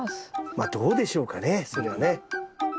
まあどうでしょうかねそれはね。